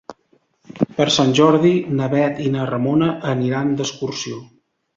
Per Sant Jordi na Bet i na Ramona aniran d'excursió.